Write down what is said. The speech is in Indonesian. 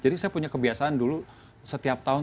jadi saya punya kebiasaan dulu setiap tahun